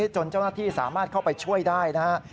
จนเจ้าหน้าที่สามารถเข้าไปช่วยได้นะครับ